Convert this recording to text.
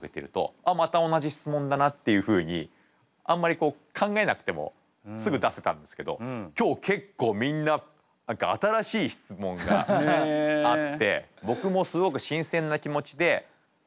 「あっまた同じ質問だな」っていうふうにあんまりこう考えなくてもすぐ出せたんですけど今日結構みんな何か新しい質問があって僕もすごく新鮮な気持ちでインタビュー受けられました。